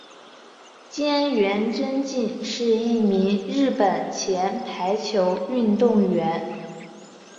菅原贞敬是一名日本前排球运动员。